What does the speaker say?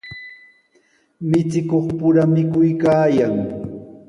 Michikuqpura mikuykaayan.